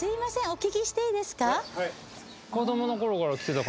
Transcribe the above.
お聞きしていいですか。